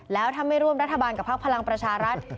แล้วทำให้ร่วมรัฐบาลกับภาคพลังประชารัฐ